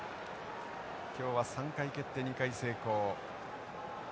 今日は３回蹴って２回成功。